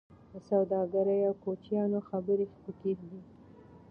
د سوداګرۍ او کوچیانو خبرې پکې دي.